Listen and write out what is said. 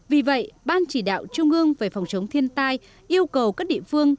vì vậy ban chỉ đạo trung ương về phòng chống thiên tai yêu cầu các địa phương